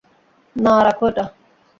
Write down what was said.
না রাখো এটা।